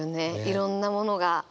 いろんなものが。